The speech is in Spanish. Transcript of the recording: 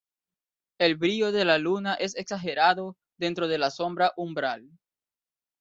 El brillo de la Luna es exagerado dentro de la sombra umbral.